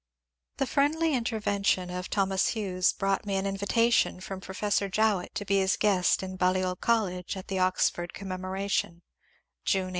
The friendly intervention of Thomas Hughes brought me an invitation from Professor Jowett to be his g^est in Balliol College at the Oxford Commemoration (June, 1863).